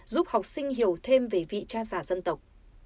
giúp học sinh hiểu thêm về vị cha già dân tộc